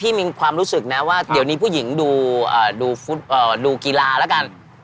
ภี่มีความรู้สึกเนี่ยว่าเดี๋ยวนี้ผู้หญิงดูกีฬาระกัน